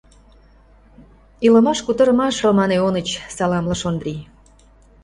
— Илымаш-кутырымаш, Роман Ионыч, — саламлыш Ондрий.